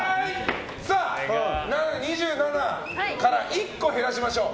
さあ、２７から１個減らしましょう。